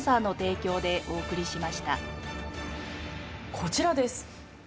こちらです。